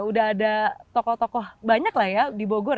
udah ada tokoh tokoh banyak lah ya di bogor